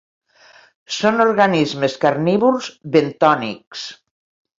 Són organismes carnívors bentònics.